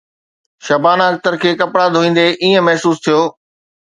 شبانه اختر کي ڪپڙا ڌوئيندي ائين محسوس ٿيو